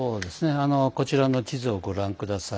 こちらの地図をご覧ください。